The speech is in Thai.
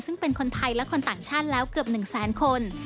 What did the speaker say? ซึ่งเป็นคนไทยและคนต่างชาติแล้วเกือบ๑แสนคน